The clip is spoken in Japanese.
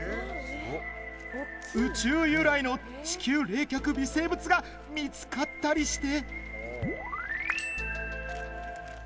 宇宙由来の地球冷却微生物が見つかったりして。